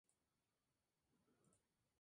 Sons of Anarchy